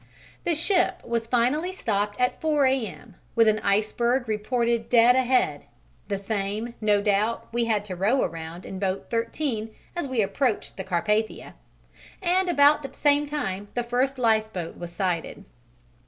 The ship was finally stopped at 4 A.M., with an iceberg reported dead ahead (the same no doubt we had to row around in boat 13 as we approached the Carpathia), and about the same time the first lifeboat was sighted.